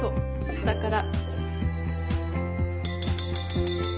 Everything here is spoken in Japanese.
下から。